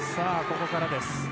ここからです